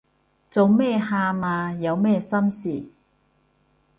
做咩喊啊？有咩心事